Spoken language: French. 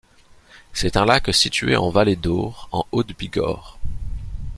C'est un lac situé en vallée d'Aure en Haute-Bigorre.